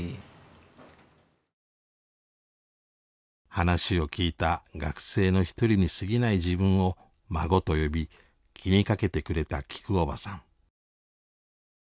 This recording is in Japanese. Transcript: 話を聞いた学生の一人にすぎない自分を孫と呼び気にかけてくれたきくおばさん。